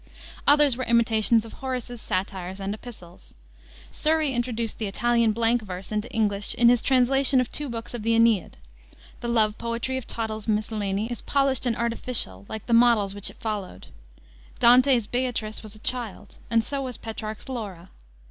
Others were imitations of Horace's satires and epistles. Surrey introduced the Italian blank verse into English in his translation of two books of the Aeneid. The love poetry of Tottel's Miscellany is polished and artificial, like the models which it followed. Dante's Beatrice was a child, and so was Petrarch's Laura.